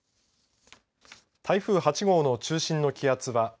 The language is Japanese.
台風８号の中心の気圧は１００２